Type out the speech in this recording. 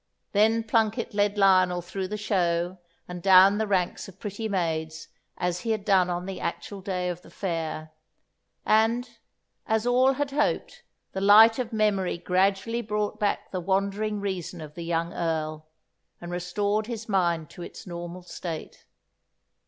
Then Plunket led Lionel through the show and down the ranks of pretty maids as he had done on the actual day of the fair; and, as all had hoped, the light of memory gradually brought back the wandering reason of the young Earl, and restored his mind to its normal state.